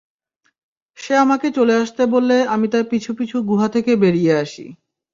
সে আমাকে চলে আসতে বললে আমি তার পিছু পিছু গুহা থেকে বেরিয়ে আসি।